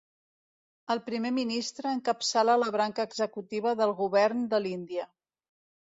El primer ministre encapçala la branca executiva del Govern de l'Índia.